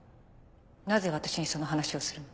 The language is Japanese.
なぜ私にその話をするの？